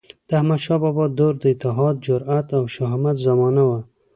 د احمدشاه بابا دور د اتحاد، جرئت او شهامت زمانه وه.